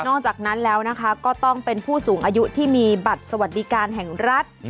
จากนั้นแล้วนะคะก็ต้องเป็นผู้สูงอายุที่มีบัตรสวัสดิการแห่งรัฐ